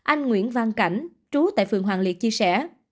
anh nguyễn văn cảnh trú tại phường hoàng liệt chia sẻ